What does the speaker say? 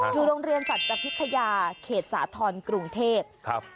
อยู่โรงเรียนสัจพิทยาเขตสาธรณ์กรุงเทพครับ